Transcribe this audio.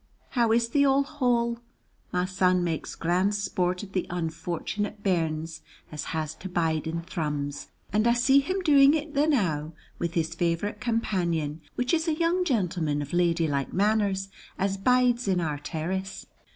How is the old hole? My son makes grand sport of the onfortunate bairns as has to bide in Thrums, and I see him doing it the now to his favorite companion, which is a young gentleman of ladylike manners, as bides in our terrace.